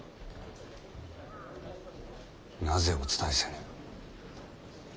なぜお伝えせぬ？